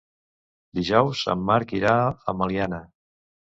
Dijous en Marc irà a Meliana.